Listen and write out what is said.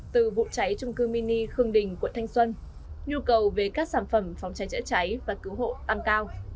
từ vụ cháy trung cư mini khương đình quận thanh xuân nhu cầu về các sản phẩm phòng cháy chữa cháy và cứu hộ tăng cao